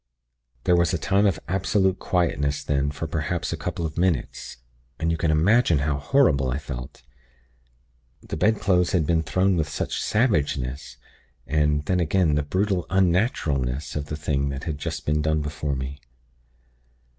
"There was a time of absolute quietness then for perhaps a couple of minutes; and you can imagine how horrible I felt. The bedclothes had been thrown with such savageness! And, then again, the brutal unnaturalness of the thing that had just been done before me!